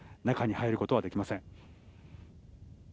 中に入ることはできません。